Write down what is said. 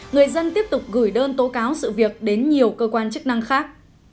người dân tiếp tục gửi đơn tố cáo sự việc đến nhiều cơ quan chức năng khác